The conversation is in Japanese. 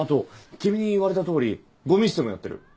君に言われたとおりごみ捨てもやってる。